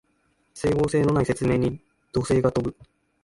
整合性のない説明に怒声が飛ぶ